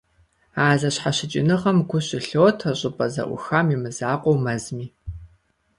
А зэщхьэщыкӀыныгъэм гу щылъотэ щӀыпӀэ зэӀухам и мызакъуэу, мэзми.